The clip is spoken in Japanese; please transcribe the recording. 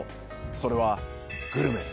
それはグルメ。